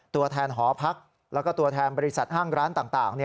ตัวแทนหอพักแล้วก็ตัวแทนบริษัทห้างร้านต่าง